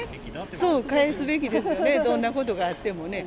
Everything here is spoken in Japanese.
そう、返すべきですよね、どんなことがあってもね。